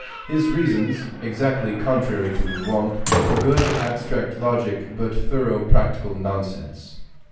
His reasons, exactly contrary to his wont, were good abstract logic but thorough practical nonsense.